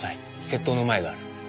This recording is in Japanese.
窃盗のマエがある。